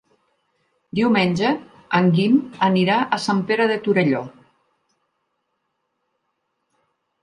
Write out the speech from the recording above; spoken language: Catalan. Diumenge en Guim anirà a Sant Pere de Torelló.